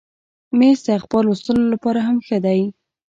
مېز د اخبار لوستلو لپاره هم ښه دی.